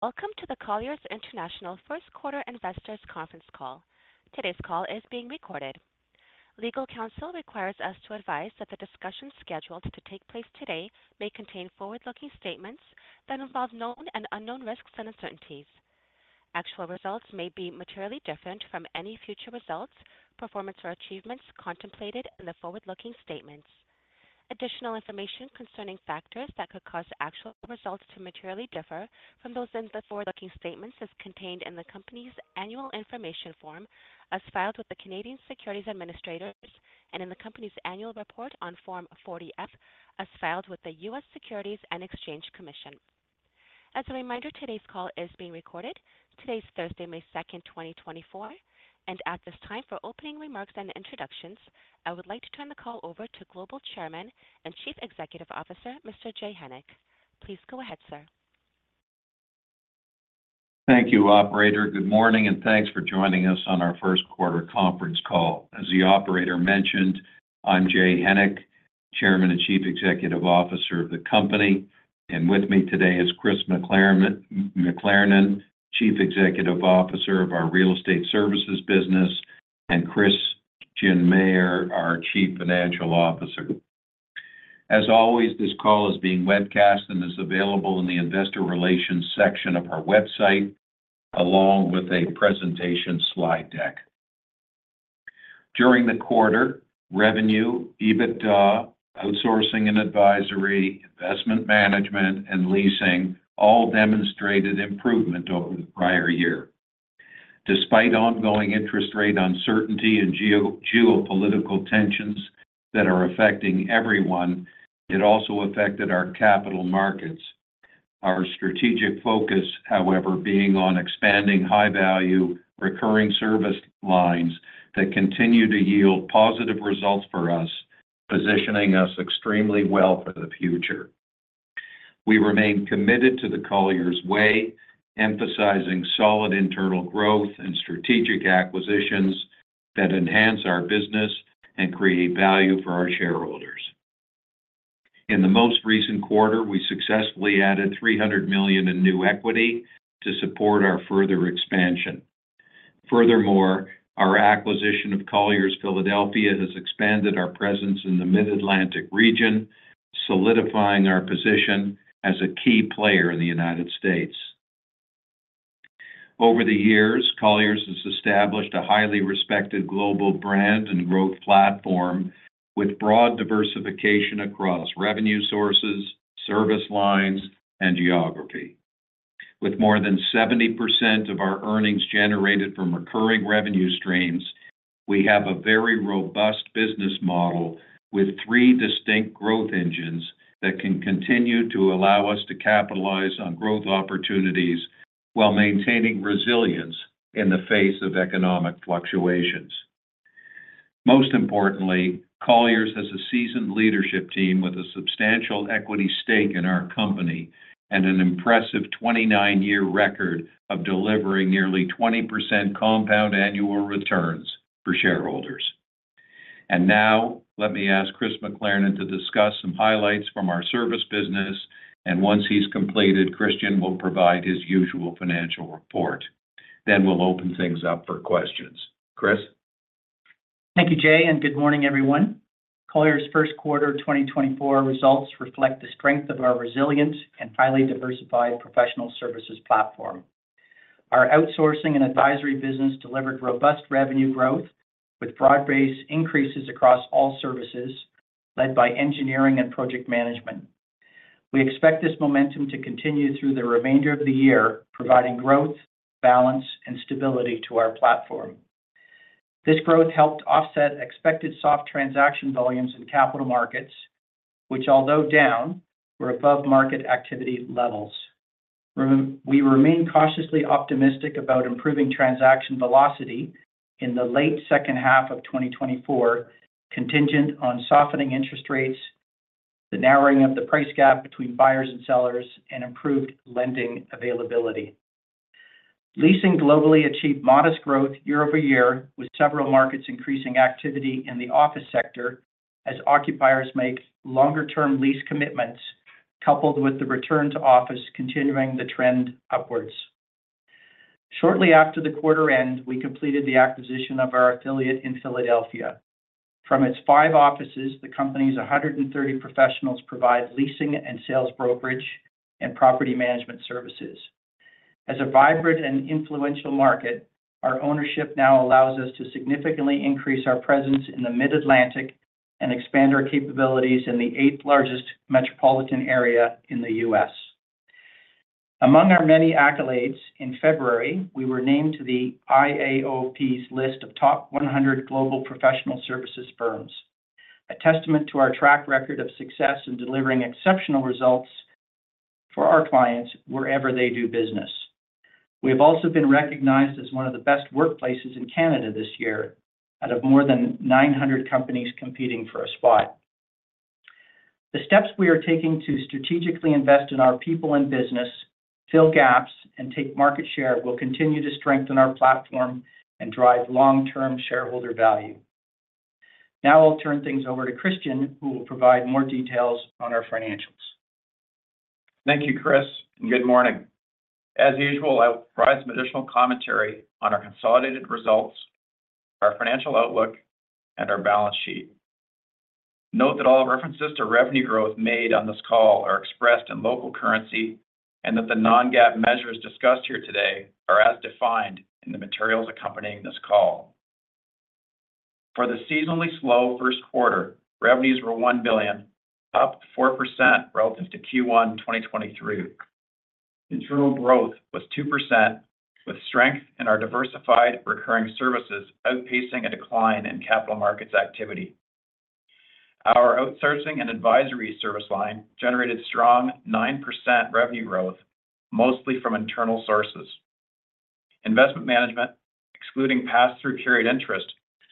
Welcome to the Colliers International First Quarter Investors Conference Call. Today's call is being recorded. Legal counsel requires us to advise that the discussions scheduled to take place today may contain forward-looking statements that involve known and unknown risks and uncertainties. Actual results may be materially different from any future results, performance, or achievements contemplated in the forward-looking statements. Additional information concerning factors that could cause actual results to materially differ from those in the forward-looking statements is contained in the company's annual information form, as filed with the Canadian Securities Administrators, and in the company's annual report on Form 40-F, as filed with the U.S. Securities and Exchange Commission. As a reminder, today's call is being recorded. Today is Thursday, May 2, 2024, and at this time, for opening remarks and introductions, I would like to turn the call over to Global Chairman and Chief Executive Officer, Mr. Jay Hennick. Please go ahead, sir. Thank you, operator. Good morning, and thanks for joining us on our first quarter conference call. As the operator mentioned, I'm Jay Hennick, Chairman and Chief Executive Officer of the company, and with me today is Chris McLernon, Chief Executive Officer of our Real Estate Services business, and Christian Mayer, our Chief Financial Officer. As always, this call is being webcast and is available in the Investor Relations section of our website, along with a presentation slide deck. During the quarter, revenue, EBITDA, outsourcing and advisory, investment management, and leasing all demonstrated improvement over the prior year. Despite ongoing interest rate uncertainty and geopolitical tensions that are affecting everyone, it also affected our capital markets. Our strategic focus, however, being on expanding high-value, recurring service lines that continue to yield positive results for us, positioning us extremely well for the future. We remain committed to the Colliers Way, emphasizing solid internal growth and strategic acquisitions that enhance our business and create value for our shareholders. In the most recent quarter, we successfully added $300 million in new equity to support our further expansion. Furthermore, our acquisition of Colliers Philadelphia has expanded our presence in the Mid-Atlantic region, solidifying our position as a key player in the United States. Over the years, Colliers has established a highly respected global brand and growth platform with broad diversification across revenue sources, service lines, and geography. With more than 70% of our earnings generated from recurring revenue streams, we have a very robust business model with three distinct growth engines that can continue to allow us to capitalize on growth opportunities while maintaining resilience in the face of economic fluctuations. Most importantly, Colliers has a seasoned leadership team with a substantial equity stake in our company and an impressive 29-year record of delivering nearly 20% compound annual returns for shareholders. Now, let me ask Chris McLernon to discuss some highlights from our service business, and once he's completed, Christian will provide his usual financial report. We'll open things up for questions. Chris? Thank you, Jay, and good morning, everyone. Colliers first quarter 2024 results reflect the strength of our resilient and highly diversified professional services platform. Our outsourcing and advisory business delivered robust revenue growth, with broad-based increases across all services, led by engineering and project management. We expect this momentum to continue through the remainder of the year, providing growth, balance, and stability to our platform. This growth helped offset expected soft transaction volumes in Capital Markets, which, although down, were above market activity levels. We remain cautiously optimistic about improving transaction velocity in the late second half of 2024, contingent on softening interest rates, the narrowing of the price gap between buyers and sellers, and improved lending availability. Leasing globally achieved modest growth year-over-year, with several markets increasing activity in the office sector as occupiers make longer-term lease commitments, coupled with the return to office, continuing the trend upwards. Shortly after the quarter end, we completed the acquisition of our affiliate in Philadelphia. From its five offices, the company's 130 professionals provide leasing and sales brokerage and property management services. As a vibrant and influential market, our ownership now allows us to significantly increase our presence in the Mid-Atlantic and expand our capabilities in the eighth-largest metropolitan area in the U.S. Among our many accolades, in February, we were named to the IAOP's list of top 100 global professional services firms, a testament to our track record of success in delivering exceptional results for our clients wherever they do business. We have also been recognized as one of the best workplaces in Canada this year, out of more than 900 companies competing for a spot. The steps we are taking to strategically invest in our people and business, fill gaps, and take market share will continue to strengthen our platform and drive long-term shareholder value. Now I'll turn things over to Christian, who will provide more details on our financials. Thank you, Chris, and good morning. As usual, I will provide some additional commentary on our consolidated results, our financial outlook, and our balance sheet. Note that all references to revenue growth made on this call are expressed in local currency, and that the non-GAAP measures discussed here today are as defined in the materials accompanying this call. For the seasonally slow first quarter, revenues were 1 billion, up 4% relative to Q1 2023. Internal growth was 2%, with strength in our diversified recurring services outpacing a decline in capital markets activity. Our outsourcing and advisory service line generated strong 9% revenue growth, mostly from internal sources. Investment management, excluding pass-through period interest,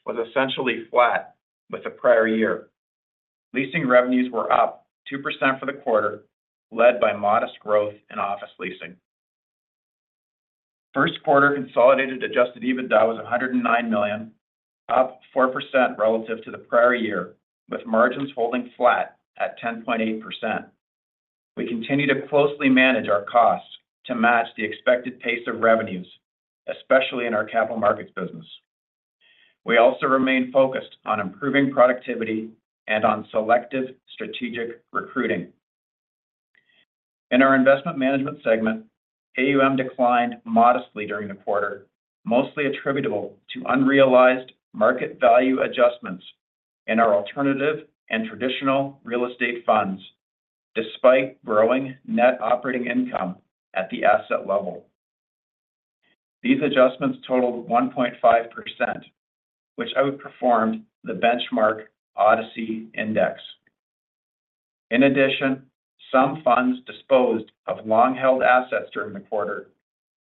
was essentially flat with the prior year. Leasing revenues were up 2% for the quarter, led by modest growth in office leasing. First quarter consolidated adjusted EBITDA was $109 million, up 4% relative to the prior year, with margins holding flat at 10.8%. We continue to closely manage our costs to match the expected pace of revenues, especially in our capital markets business. We also remain focused on improving productivity and on selective strategic recruiting. In our investment management segment, AUM declined modestly during the quarter, mostly attributable to unrealized market value adjustments in our alternative and traditional real estate funds, despite growing net operating income at the asset level. These adjustments totaled 1.5%, which outperformed the benchmark ODCE Index. In addition, some funds disposed of long-held assets during the quarter,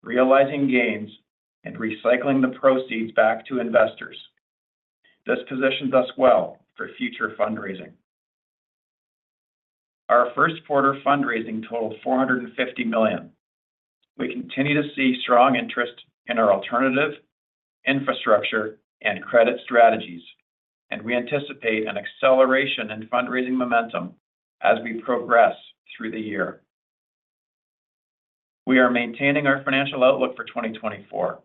realizing gains and recycling the proceeds back to investors. This positions us well for future fundraising. Our first quarter fundraising totaled $450 million. We continue to see strong interest in our alternative, infrastructure, and credit strategies, and we anticipate an acceleration in fundraising momentum as we progress through the year. We are maintaining our financial outlook for 2024.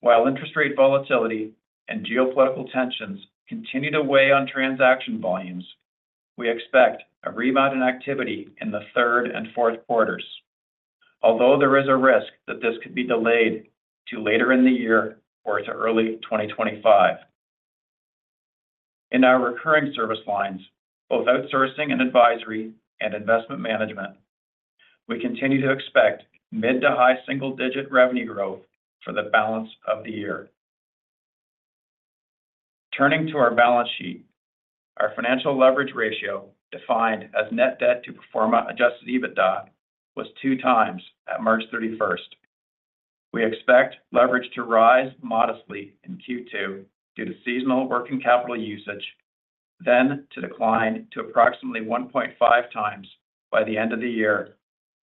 While interest rate volatility and geopolitical tensions continue to weigh on transaction volumes, we expect a rebound in activity in the third and fourth quarters, although there is a risk that this could be delayed to later in the year or to early 2025. In our recurring service lines, both outsourcing and advisory and investment management, we continue to expect mid- to high single-digit revenue growth for the balance of the year. Turning to our balance sheet, our financial leverage ratio, defined as net debt to pro forma Adjusted EBITDA, was 2x at March 31. We expect leverage to rise modestly in Q2 due to seasonal working capital usage, then to decline to approximately 1.5x by the end of the year,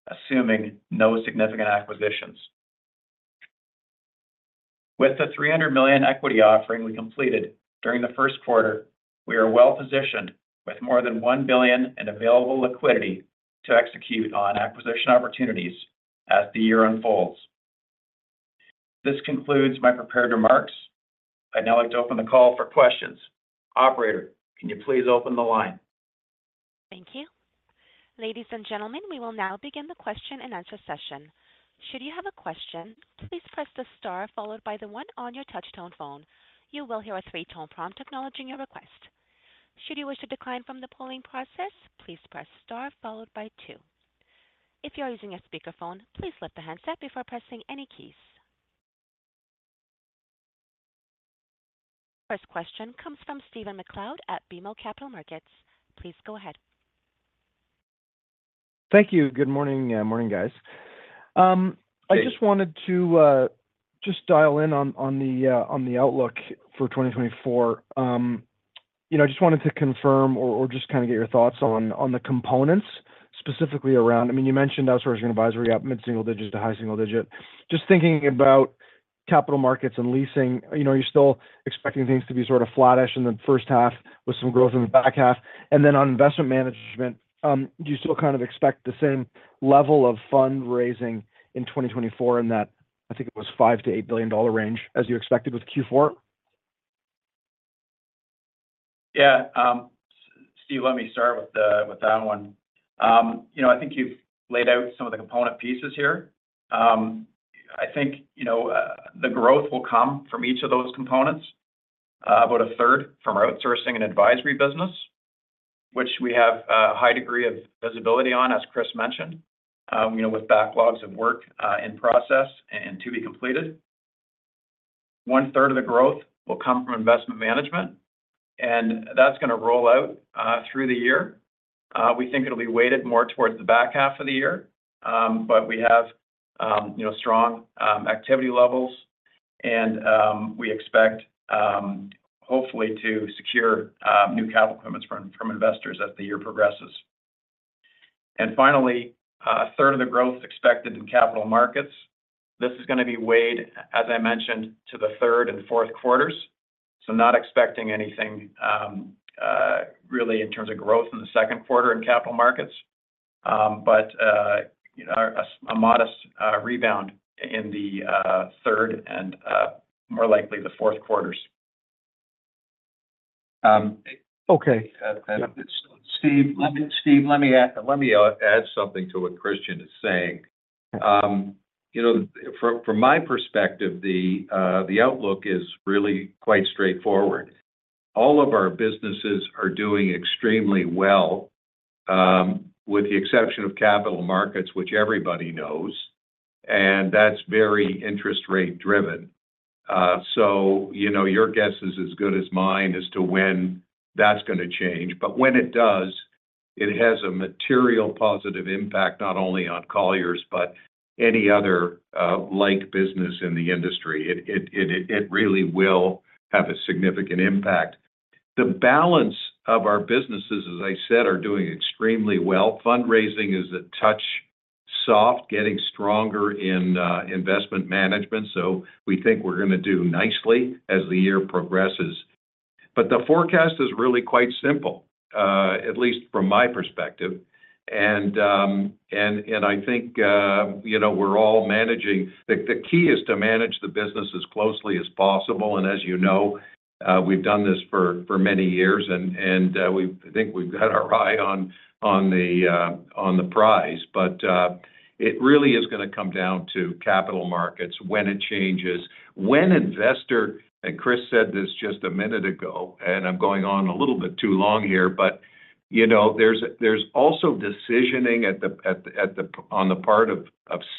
assuming no significant acquisitions. With the $300 million equity offering we completed during the first quarter, we are well-positioned with more than $1 billion in available liquidity to execute on acquisition opportunities as the year unfolds. This concludes my prepared remarks. I'd now like to open the call for questions. Operator, can you please open the line? Thank you. Ladies and gentlemen, we will now begin the question-and-answer session. Should you have a question, please press the star followed by the one on your touchtone phone. You will hear a three-tone prompt acknowledging your request. Should you wish to decline from the polling process, please press star followed by two. If you are using a speakerphone, please lift the handset before pressing any keys. First question comes from Stephen MacLeod at BMO Capital Markets. Please go ahead. Thank you. Good morning. Yeah, morning, guys. Hey. I just wanted to just dial in on the outlook for 2024. You know, I just wanted to confirm or just kind of get your thoughts on the components, specifically around... I mean, you mentioned outsourcing advisory up mid-single digits to high single digit. Just thinking about Capital Markets and Leasing, you know, are you still expecting things to be sort of flattish in the first half with some growth in the back half? And then on Investment Management, do you still kind of expect the same level of fundraising in 2024 in that, I think it was $5 billion-$8 billion range as you expected with Q4? Yeah, Steve, let me start with the, with that one. You know, I think you've laid out some of the component pieces here. I think, you know, the growth will come from each of those components, about a third from our outsourcing and advisory business, which we have a high degree of visibility on, as Chris mentioned, you know, with backlogs of work, in process and to be completed. One third of the growth will come from investment management, and that's going to roll out, through the year. We think it'll be weighted more towards the back half of the year, but we have, you know, strong, activity levels and, we expect, hopefully to secure, new capital commitments from, from investors as the year progresses. Finally, a third of the growth expected in Capital Markets, this is gonna be weighted, as I mentioned, to the third and fourth quarters. Not expecting anything really in terms of growth in the second quarter in Capital Markets, but you know, a modest rebound in the third and, more likely the fourth quarters. Okay. Steve, let me add something to what Christian is saying. You know, from my perspective, the outlook is really quite straightforward. All of our businesses are doing extremely well, with the exception of capital markets, which everybody knows, and that's very interest rate driven. So, you know, your guess is as good as mine as to when that's gonna change. But when it does, it has a material positive impact, not only on Colliers but any other, like business in the industry. It really will have a significant impact. The balance of our businesses, as I said, are doing extremely well. Fundraising is a touch soft, getting stronger in investment management, so we think we're gonna do nicely as the year progresses. But the forecast is really quite simple, at least from my perspective. And I think, you know, we're all managing the key is to manage the business as closely as possible, and as you know, we've done this for many years, and we I think we've got our eye on the prize. But it really is gonna come down to capital markets when it changes. When investor, and Chris said this just a minute ago, and I'm going on a little bit too long here, but you know, there's also decisioning on the part of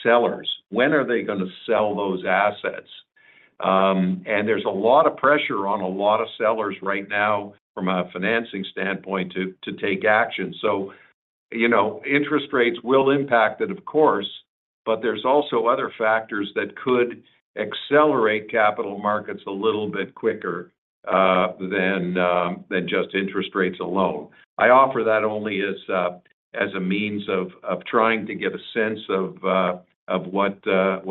sellers. When are they gonna sell those assets? And there's a lot of pressure on a lot of sellers right now from a financing standpoint to take action. So, you know, interest rates will impact it, of course, but there's also other factors that could accelerate capital markets a little bit quicker than just interest rates alone. I offer that only as a means of trying to get a sense of what the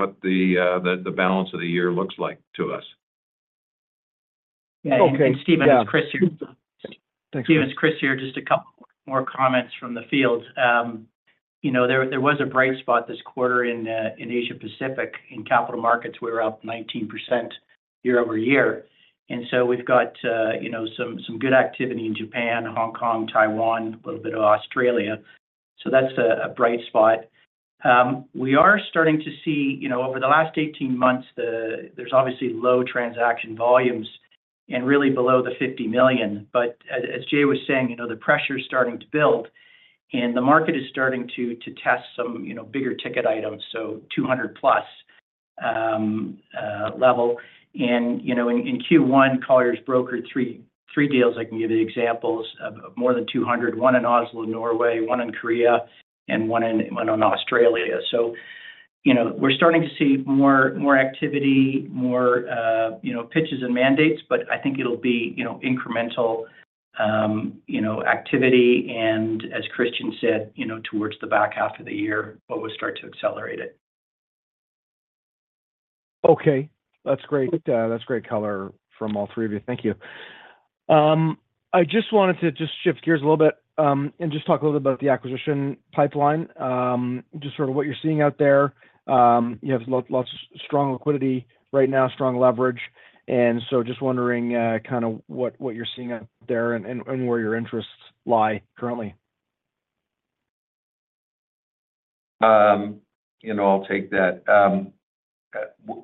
balance of the year looks like to us. Okay. Yeah, Steve, it's Chris here. Thanks. Steve, it's Chris here. Just a couple more comments from the field. You know, there, there was a bright spot this quarter in Asia Pacific. In capital markets, we were up 19% year-over-year, and so we've got, you know, some, some good activity in Japan, Hong Kong, Taiwan, a little bit of Australia. So that's a bright spot. We are starting to see, you know, over the last 18 months, there's obviously low transaction volumes and really below the $50 million. But as Jay was saying, you know, the pressure is starting to build, and the market is starting to test some, you know, bigger ticket items, so $200+ level. You know, in Q1, Colliers brokered three deals. I can give you the examples of more than 200: one in Oslo, Norway, one in Korea, and one in Australia. So, you know, we're starting to see more activity, you know, pitches and mandates, but I think it'll be, you know, incremental activity, and as Christian said, you know, towards the back half of the year, what will start to accelerate it. Okay. That's great. That's great color from all three of you. Thank you. I just wanted to just shift gears a little bit, and just talk a little about the acquisition pipeline, just sort of what you're seeing out there. You have lots of strong liquidity right now, strong leverage, and so just wondering, kinda what you're seeing out there and where your interests lie currently. You know, I'll take that.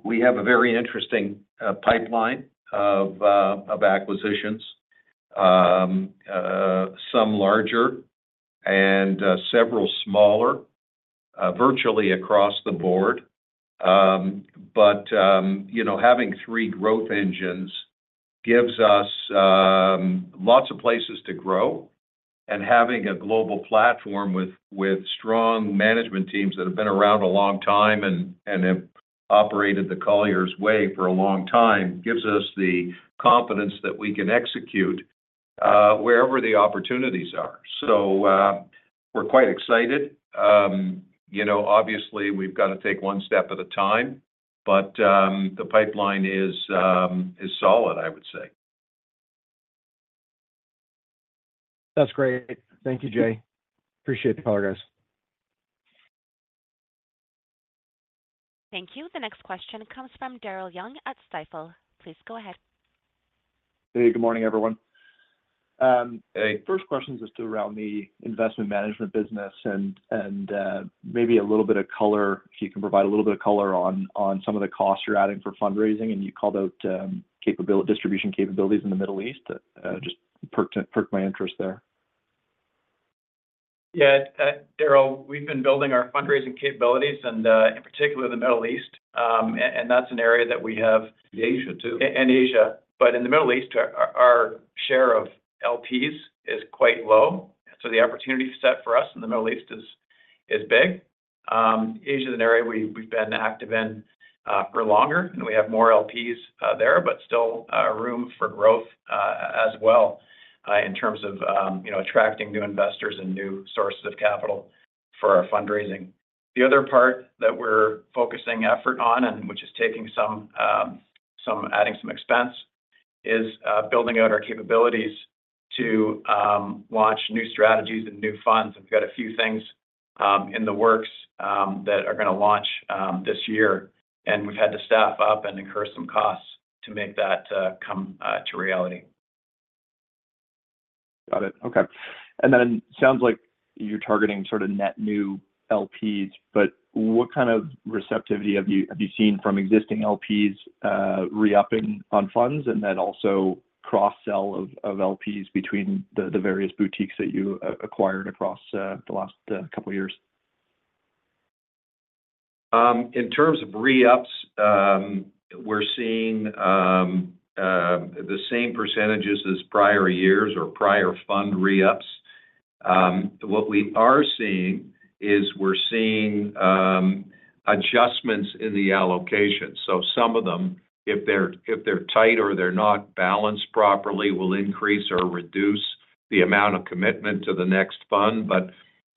We have a very interesting pipeline of acquisitions, some larger and several smaller, virtually across the board. But you know, having three growth engines gives us lots of places to grow, and having a global platform with strong management teams that have been around a long time and have operated the Colliers way for a long time gives us the confidence that we can execute wherever the opportunities are. So, we're quite excited. You know, obviously, we've got to take one step at a time, but the pipeline is solid, I would say. That's great. Thank you, Jay. Appreciate the call, guys. Thank you. The next question comes from Darryl Young at Stifel. Please go ahead. Hey, good morning, everyone. Um, hey. First question is just around the Investment Management business and maybe a little bit of color, if you can provide a little bit of color on some of the costs you're adding for fundraising, and you called out distribution capabilities in the Middle East. Just perked my interest there. Yeah, Darryl, we've been building our fundraising capabilities and, in particular, the Middle East. And that's an area that we have- Asia, too. And Asia. But in the Middle East, our share of LPs is quite low, so the opportunity set for us in the Middle East is big. Asia is an area we've been active in for longer, and we have more LPs there, but still room for growth as well in terms of, you know, attracting new investors and new sources of capital for our fundraising. The other part that we're focusing effort on, and which is taking some, adding some expense, is building out our capabilities to launch new strategies and new funds. We've got a few things in the works that are gonna launch this year, and we've had to staff up and incur some costs to make that come to reality. Got it. Okay. And then sounds like you're targeting sort of net new LPs, but what kind of receptivity have you seen from existing LPs re-upping on funds, and then also cross-sell of LPs between the various boutiques that you acquired across the last couple of years? In terms of re-ups, we're seeing the same percentages as prior years or prior fund re-ups. What we are seeing is we're seeing adjustments in the allocation. So some of them, if they're tight or they're not balanced properly, will increase or reduce the amount of commitment to the next fund. But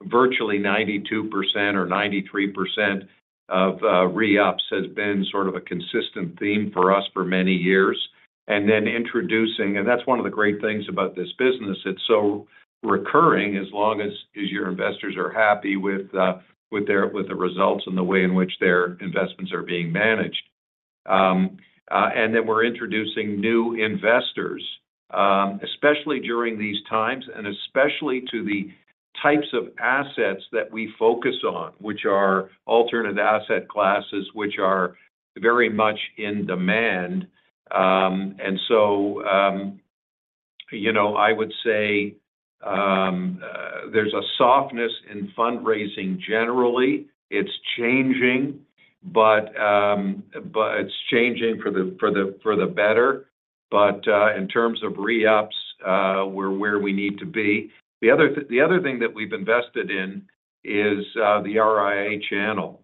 virtually, 92% or 93% of re-ups has been sort of a consistent theme for us for many years. And that's one of the great things about this business. It's so recurring, as long as your investors are happy with their results and the way in which their investments are being managed. And then we're introducing new investors, especially during these times, and especially to the types of assets that we focus on, which are alternative asset classes, which are very much in demand. And so, you know, I would say, there's a softness in fundraising generally. It's changing, but it's changing for the better. But in terms of re-ups, we're where we need to be. The other thing that we've invested in is the RIA channel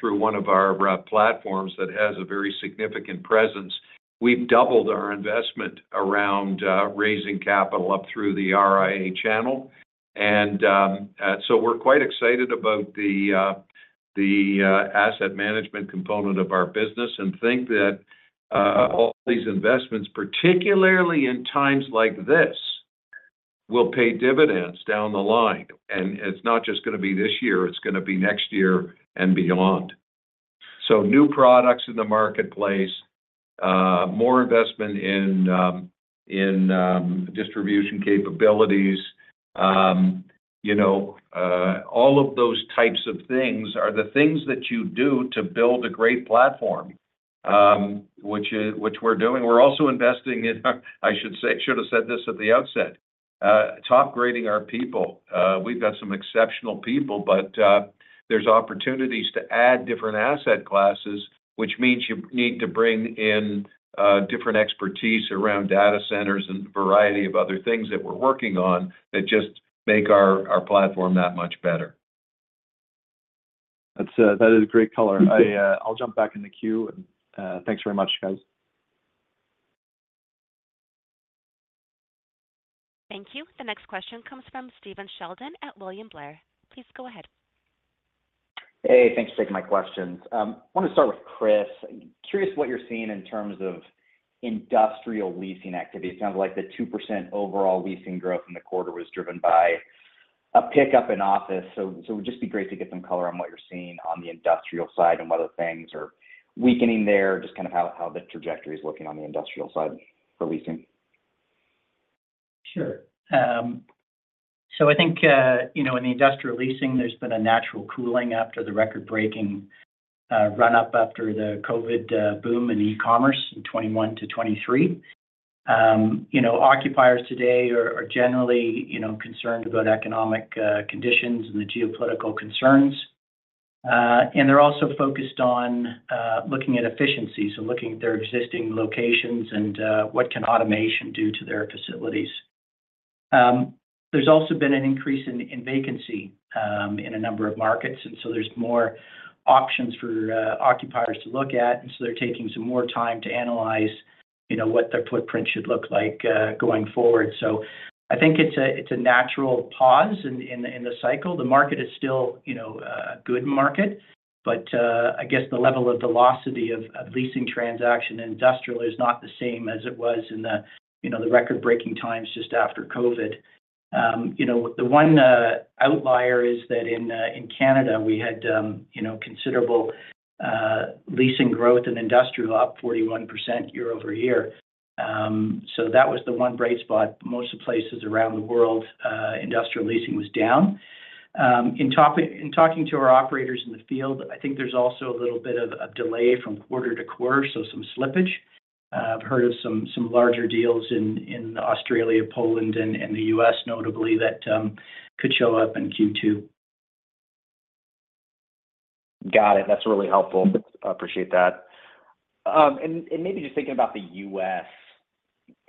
through one of our platforms that has a very significant presence. We've doubled our investment around raising capital up through the RIA channel. And so we're quite excited about the asset management component of our business and think that all these investments, particularly in times like this, will pay dividends down the line. And it's not just gonna be this year, it's gonna be next year and beyond. So new products in the marketplace, more investment in distribution capabilities, you know, all of those types of things are the things that you do to build a great platform, which we're doing. We're also investing in, I should say, I should have said this at the outset, top grading our people. We've got some exceptional people, but there's opportunities to add different asset classes, which means you need to bring in different expertise around data centers and a variety of other things that we're working on that just make our, our platform that much better. That's... That is a great color. I... I'll jump back in the queue, and... thanks very much, guys. Thank you. The next question comes from Stephen Sheldon at William Blair. Please go ahead. Hey, thanks for taking my questions. I want to start with Chris. Curious what you're seeing in terms of industrial leasing activity. It sounds like the 2% overall leasing growth in the quarter was driven by a pickup in office. So it would just be great to get some color on what you're seeing on the industrial side and whether things are weakening there, just kind of how the trajectory is looking on the industrial side for leasing. Sure. So I think, you know, in the industrial leasing, there's been a natural cooling after the record-breaking, run-up after the COVID, boom in e-commerce in 2021 to 2023. You know, occupiers today are, are generally, you know, concerned about economic, conditions and the geopolitical concerns. And they're also focused on, looking at efficiency, so looking at their existing locations and, what can automation do to their facilities. There's also been an increase in, in vacancy, in a number of markets, and so there's more options for, occupiers to look at, and so they're taking some more time to analyze, you know, what their footprint should look like, going forward. So I think it's a, it's a natural pause in, in the, in the cycle. The market is still, you know, a good market, but, I guess the level of velocity of leasing transaction in industrial is not the same as it was in the, you know, the record-breaking times just after COVID. You know, the one outlier is that in Canada, we had, you know, considerable leasing growth in industrial, up 41% year-over-year. So that was the one bright spot. Most of the places around the world, industrial leasing was down. In talking to our operators in the field, I think there's also a little bit of a delay from quarter to quarter, so some slippage. I've heard of some larger deals in Australia, Poland, and the U.S., notably, that could show up in Q2. Got it. That's really helpful. Appreciate that. And maybe just thinking about the US-...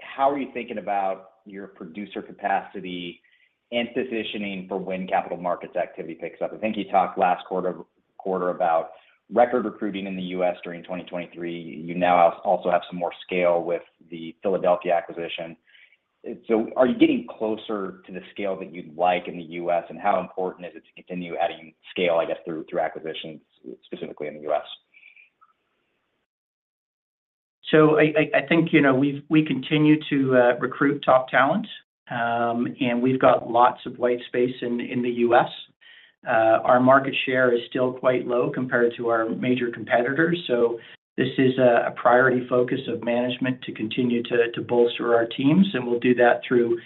how are you thinking about your producer capacity and positioning for when capital markets activity picks up? I think you talked last quarter, quarter about record recruiting in the U.S. during 2023. You now also have some more scale with the Philadelphia acquisition. So are you getting closer to the scale that you'd like in the U.S., and how important is it to continue adding scale, I guess, through, through acquisitions, specifically in the U.S.? So I think, you know, we continue to recruit top talent, and we've got lots of white space in the U.S. Our market share is still quite low compared to our major competitors, so this is a priority focus of management to continue to bolster our teams, and we'll do that through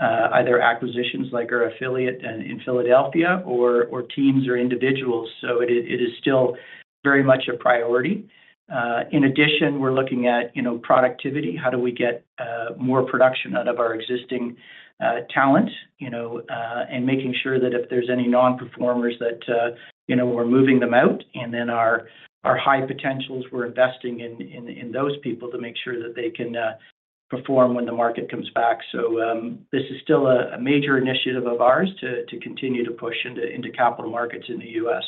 either acquisitions like our affiliate in Philadelphia or teams or individuals. So it is still very much a priority. In addition, we're looking at, you know, productivity. How do we get more production out of our existing talent, you know, and making sure that if there's any non-performers that, you know, we're moving them out. And then our high potentials, we're investing in those people to make sure that they can perform when the market comes back. So, this is still a major initiative of ours to continue to push into Capital Markets in the U.S.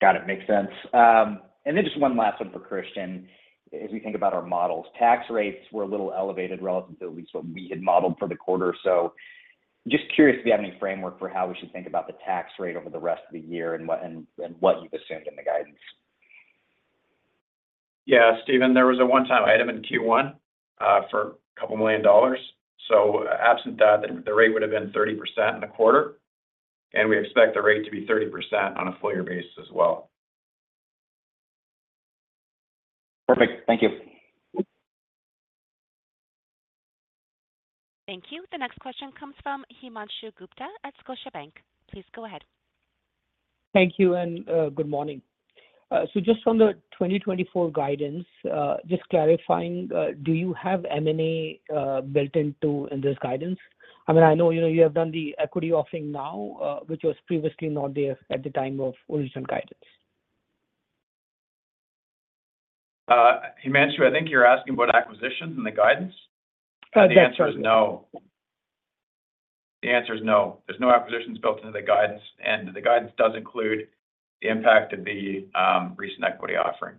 Got it. Makes sense. Then just one last one for Christian. As we think about our models, tax rates were a little elevated relative to at least what we had modeled for the quarter. So just curious if you have any framework for how we should think about the tax rate over the rest of the year, and what you've assumed in the guidance. Yeah, Steven, there was a one-time item in Q1 for a couple million dollars. So absent that, the rate would have been 30% in the quarter, and we expect the rate to be 30% on a full year basis as well. Perfect. Thank you. Thank you. The next question comes from Himanshu Gupta at Scotiabank. Please go ahead. Thank you, and good morning. So just from the 2024 guidance, just clarifying, do you have M&A built into in this guidance? I mean, I know, you know, you have done the equity offering now, which was previously not there at the time of original guidance. Himanshu, I think you're asking about acquisitions in the guidance? Uh, yes. The answer is no. The answer is no. There's no acquisitions built into the guidance, and the guidance does include the impact of the, recent equity offering.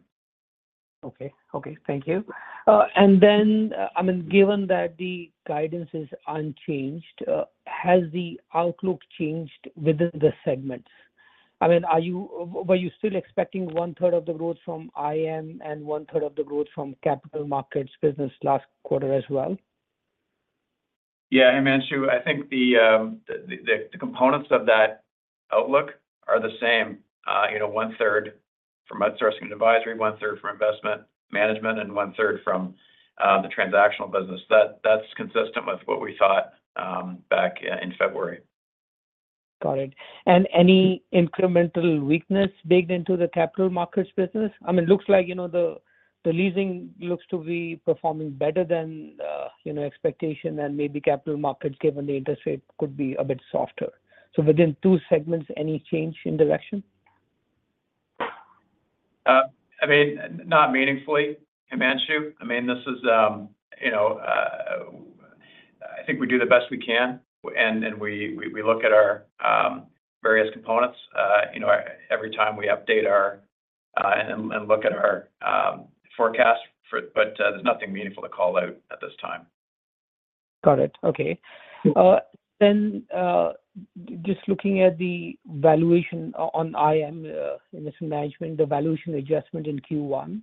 Okay. Okay, thank you. And then, I mean, given that the guidance is unchanged, has the outlook changed within the segments? I mean, are you—were you still expecting one third of the growth from IM and one third of the growth from capital markets business last quarter as well? Yeah, Himanshu, I think the components of that outlook are the same. You know, one third from outsourcing and advisory, one third from investment management, and one third from the transactional business. That, that's consistent with what we thought back in February. Got it. And any incremental weakness baked into the Capital Markets business? I mean, it looks like, you know, the Leasing looks to be performing better than, you know, expectation and maybe Capital Markets, given the interest rate, could be a bit softer. So within two segments, any change in direction? I mean, not meaningfully, Himanshu. I mean, this is, you know, I think we do the best we can, and we look at our various components, you know, every time we update our and look at our forecast for... But, there's nothing meaningful to call out at this time. Got it. Okay. Then, just looking at the valuation on IM, investment management, the valuation adjustment in Q1,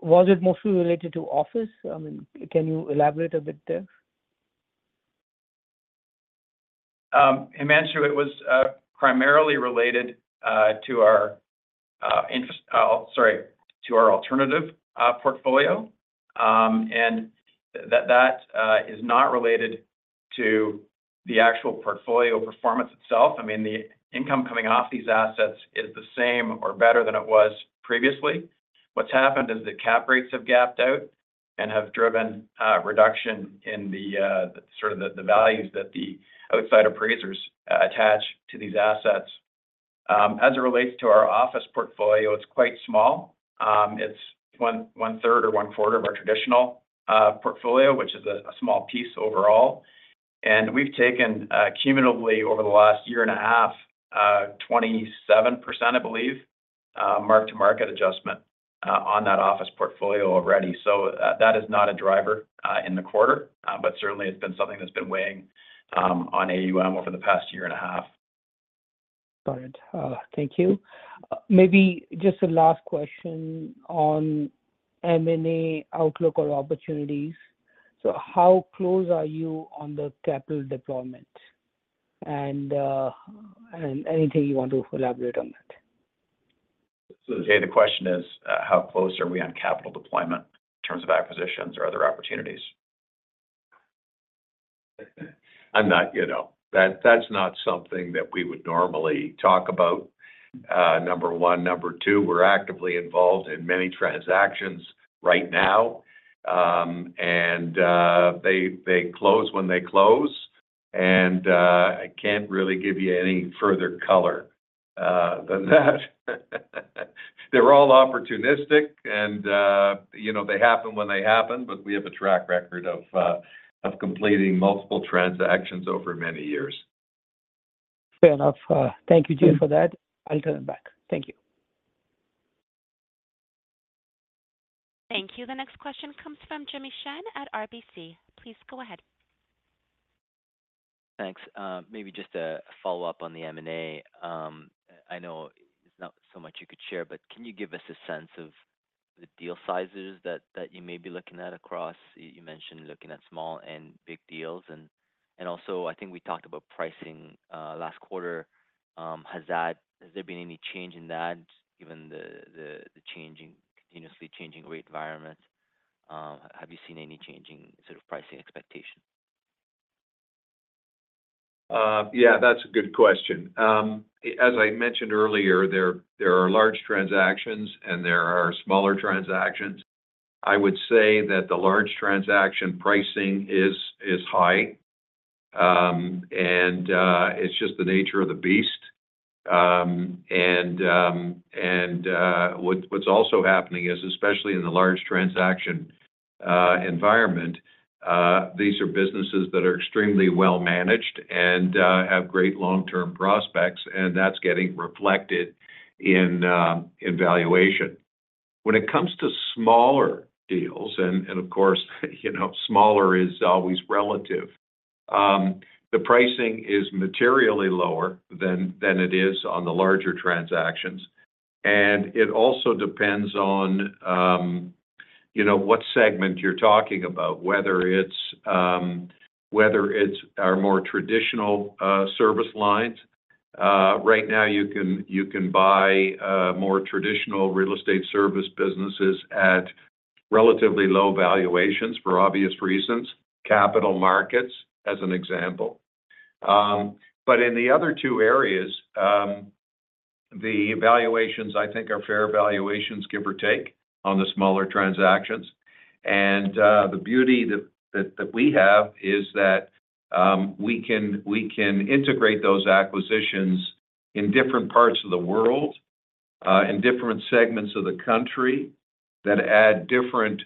was it mostly related to office? I mean, can you elaborate a bit there? Himanshu, it was primarily related to our alternative portfolio. That is not related to the actual portfolio performance itself. I mean, the income coming off these assets is the same or better than it was previously. What's happened is the cap rates have gapped out and have driven reduction in the sort of the values that the outside appraisers attach to these assets. As it relates to our office portfolio, it's quite small. It's 1/3 or 1/4 of our traditional portfolio, which is a small piece overall. We've taken cumulatively over the last year and a half 27%, I believe, mark-to-market adjustment on that office portfolio already. That is not a driver in the quarter, but certainly it's been something that's been weighing on AUM over the past year and a half. Got it. Thank you. Maybe just a last question on M&A outlook or opportunities. So how close are you on the capital deployment? And, and anything you want to elaborate on that? So, hey, the question is, how close are we on capital deployment in terms of acquisitions or other opportunities? I'm not, you know-- That, that's not something that we would normally talk about, number one. Number two, we're actively involved in many transactions right now, and they close when they close. I can't really give you any further color than that. They're all opportunistic, and you know, they happen when they happen, but we have a track record of completing multiple transactions over many years. Fair enough. Thank you, Jay, for that. I'll turn it back. Thank you. Thank you. The next question comes from Jimmy Shan at RBC. Please go ahead. Thanks. Maybe just a follow-up on the M&A. I know there's not so much you could share, but can you give us a sense of the deal sizes that you may be looking at across- You mentioned looking at small and big deals, and also, I think we talked about pricing last quarter. Has that- has there been any change in that, given the changing, continuously changing rate environment? Have you seen any changing sort of pricing expectation? Yeah, that's a good question. As I mentioned earlier, there are large transactions, and there are smaller transactions. I would say that the large transaction pricing is high, and it's just the nature of the beast. And what's also happening is, especially in the large transaction environment, these are businesses that are extremely well managed and have great long-term prospects, and that's getting reflected in valuation. When it comes to smaller deals, and of course, you know, smaller is always relative, the pricing is materially lower than it is on the larger transactions. And it also depends on, you know, what segment you're talking about, whether it's our more traditional service lines. Right now, you can buy more traditional real estate service businesses at relatively low valuations for obvious reasons, capital markets, as an example. But in the other two areas, the valuations, I think, are fair valuations, give or take, on the smaller transactions. The beauty that we have is that we can integrate those acquisitions in different parts of the world, in different segments of the country, that add different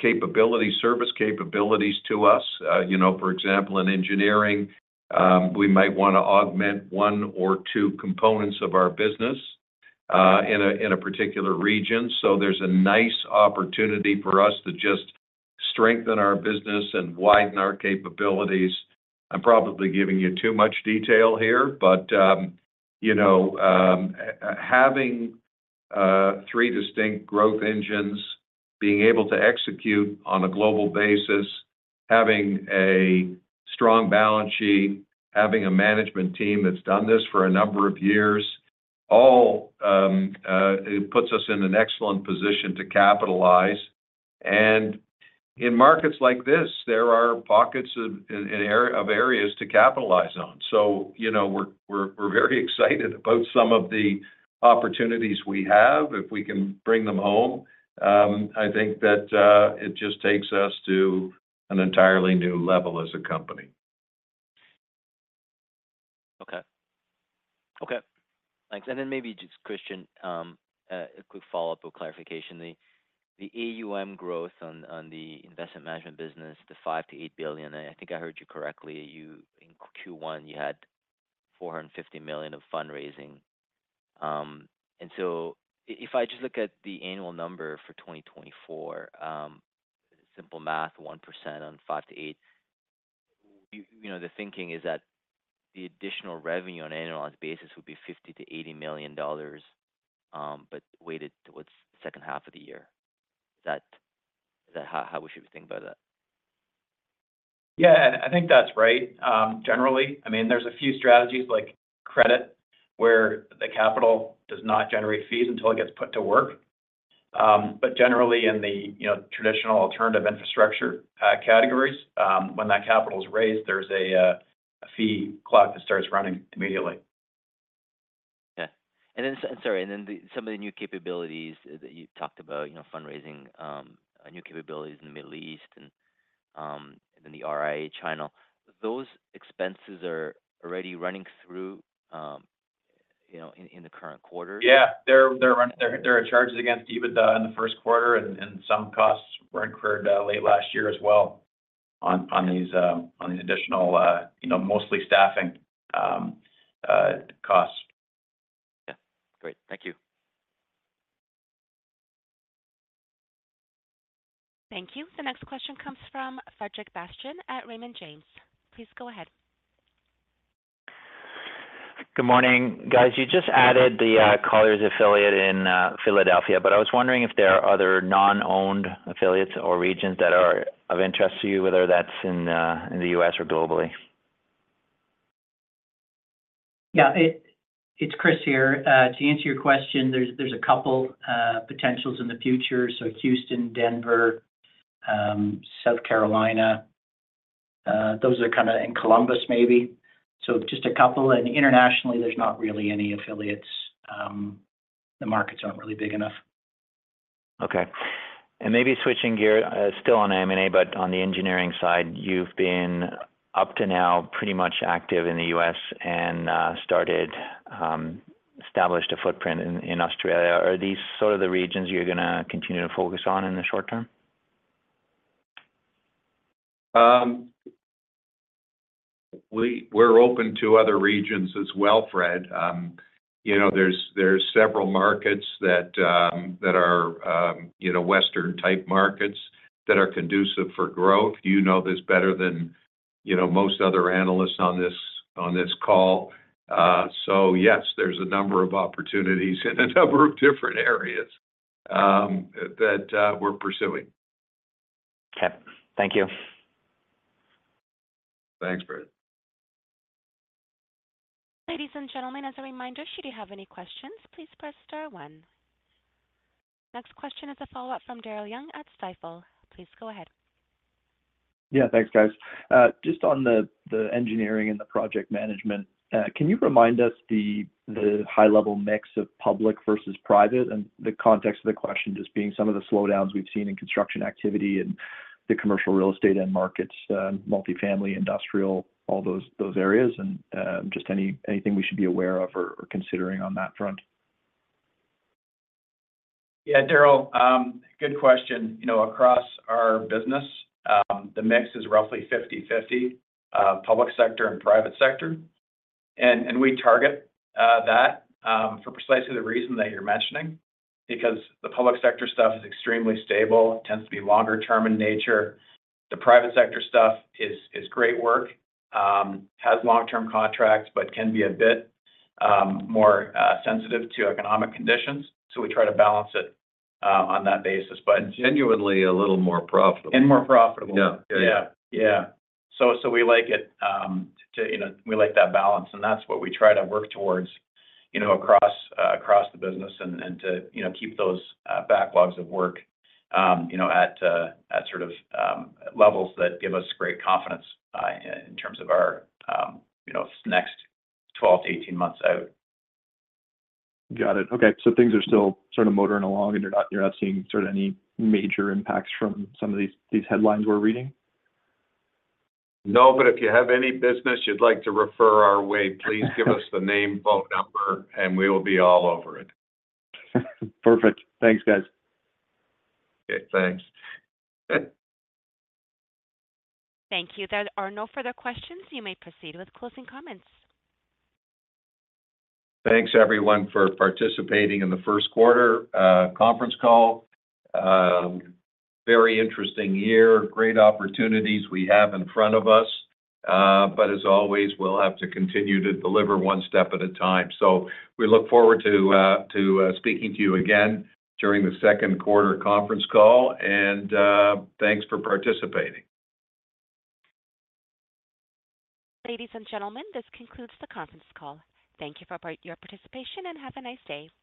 capability, service capabilities to us. You know, for example, in engineering, we might wanna augment one or two components of our business, in a particular region. So there's a nice opportunity for us to just strengthen our business and widen our capabilities. I'm probably giving you too much detail here, but you know, having three distinct growth engines, being able to execute on a global basis, having a strong balance sheet, having a management team that's done this for a number of years, all it puts us in an excellent position to capitalize. And in markets like this, there are pockets of areas to capitalize on. So, you know, we're very excited about some of the opportunities we have. If we can bring them home, I think that it just takes us to an entirely new level as a company. Okay. Okay, thanks. And then maybe just Christian, a quick follow-up or clarification. The, the AUM growth on, on the investment management business, the $5 billion-$8 billion, I think I heard you correctly, you in Q1, you had $450 million of fundraising. And so if I just look at the annual number for 2024, simple math, 1% on five to eight, you, you know, the thinking is that the additional revenue on an annualized basis would be $50 million-$80 million, but weighted towards the second half of the year. Is that, is that how, how we should think about that? Yeah, and I think that's right. Generally, I mean, there's a few strategies like credit, where the capital does not generate fees until it gets put to work. But generally in the, you know, traditional alternative infrastructure, categories, when that capital is raised, there's a, a fee clock that starts running immediately. Yeah. Sorry, and then some of the new capabilities that you talked about, you know, fundraising and new capabilities in the Middle East and then the RIA channel, those expenses are already running through, you know, in the current quarter? Yeah. They're charges against EBITDA in the first quarter, and some costs were incurred late last year as well on these additional, you know, mostly staffing costs. Yeah, great. Thank you. Thank you. The next question comes from Frederic Bastien at Raymond James. Please go ahead. Good morning, guys. You just added the Colliers affiliate in Philadelphia, but I was wondering if there are other non-owned affiliates or regions that are of interest to you, whether that's in the U.S. or globally. Yeah, it's Chris here. To answer your question, there's a couple potentials in the future. So Houston, Denver, South Carolina, those are kind of... And Columbus, maybe. So just a couple, and internationally, there's not really any affiliates. The markets aren't really big enough.... Okay, and maybe switching gears, still on M&A, but on the engineering side, you've been, up to now, pretty much active in the U.S. and established a footprint in Australia. Are these sort of the regions you're gonna continue to focus on in the short term? We're open to other regions as well, Fred. You know, there's several markets that are, you know, Western-type markets that are conducive for growth. You know this better than, you know, most other analysts on this call. So yes, there's a number of opportunities in a number of different areas that we're pursuing. Okay. Thank you. Thanks, Fred. Ladies and gentlemen, as a reminder, should you have any questions, please press star one. Next question is a follow-up from Darryl Young at Stifel. Please go ahead. Yeah, thanks, guys. Just on the engineering and the project management, can you remind us the high level mix of public versus private? And the context of the question just being some of the slowdowns we've seen in construction activity and the commercial real estate end markets, multifamily, industrial, all those areas, and just anything we should be aware of or considering on that front. Yeah, Darryl, good question. You know, across our business, the mix is roughly 50/50, public sector and private sector. And we target that for precisely the reason that you're mentioning, because the public sector stuff is extremely stable, tends to be longer term in nature. The private sector stuff is great work, has long-term contracts, but can be a bit more sensitive to economic conditions. So we try to balance it on that basis, but- Genuinely a little more profitable. And more profitable. Yeah. Yeah, yeah. So we like it to, you know, we like that balance, and that's what we try to work towards, you know, across the business and to, you know, keep those backlogs of work, you know, at sort of levels that give us great confidence, in terms of our, you know, next 12-18 months out. Got it. Okay. So things are still sort of motoring along, and you're not, you're not seeing sort of any major impacts from some of these, these headlines we're reading? No, but if you have any business you'd like to refer our way, please give us the name, phone number, and we will be all over it. Perfect. Thanks, guys. Okay, thanks. Thank you. There are no further questions. You may proceed with closing comments. Thanks, everyone, for participating in the first quarter conference call. Very interesting year. Great opportunities we have in front of us. But as always, we'll have to continue to deliver one step at a time. So we look forward to speaking to you again during the second quarter conference call, and thanks for participating. Ladies and gentlemen, this concludes the conference call. Thank you for your participation, and have a nice day.